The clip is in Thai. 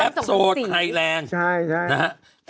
แอปโซไทแรนด์